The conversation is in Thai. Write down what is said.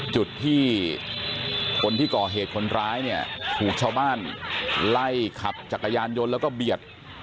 จุดที่คนที่ก่อเหตุคนร้ายเนี่ยถูกชาวบ้านไล่ขับจักรยานยนต์แล้วก็เบียด